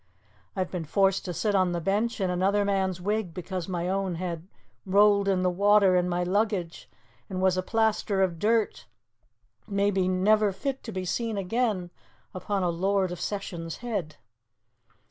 I've been forced to sit the bench in another man's wig because my own had rolled in the water in my luggage, and was a plaster of dirt maybe never fit to be seen again upon a Lord of Session's head."